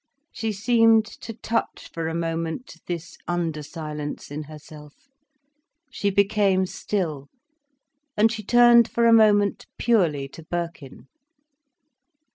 She seemed to touch for a moment this undersilence in herself, she became still, and she turned for a moment purely to Birkin.